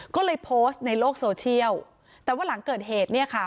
ก็เลยโพสต์ในโลกโซเชียลแต่ว่าหลังเกิดเหตุเนี่ยค่ะ